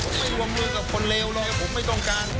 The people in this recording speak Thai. ไม่รวมมือกับคนเลวหรอกผมไม่ต้องการ